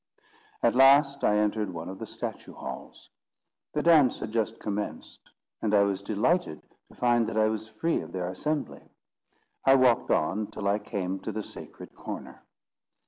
At last I entered one of the statue halls. The dance had just commenced, and I was delighted to find that I was free of their assembly. I walked on till I came to the sacred corner.